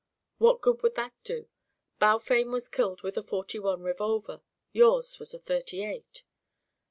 "What good would that do? Balfame was killed with a forty one revolver. Yours was a thirty eight."